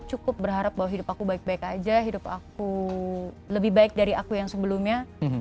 cukup berharap bahwa hidup aku baik baik aja hidup aku lebih baik dari aku yang sebelumnya